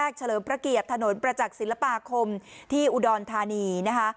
เฉลิมพระเกียรติถนนประจักษิลปาคมที่อุดรธานีนะคะ